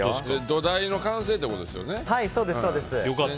土台の完成ってことですよね。